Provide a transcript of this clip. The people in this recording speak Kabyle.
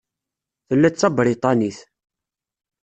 Tella d Tabriṭanit.